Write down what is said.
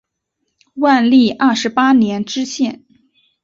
万历二十八年知县。